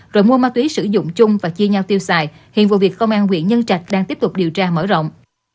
rồi mua ma túy sử dụng chung và chia nhau tiêu xài hiện vụ việc công an viện nhân trạch đang tiếp tục điều tra mở rộng